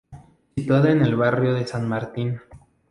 Situada en el barrio de San Martín.